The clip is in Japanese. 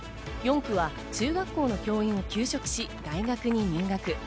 ４区は中学校の教員を休職し、大学に入学。